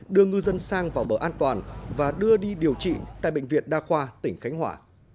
đưa ngư dân sang vào bờ an toàn và đưa đi điều trị tại bệnh viện đa khoa tỉnh khánh hòa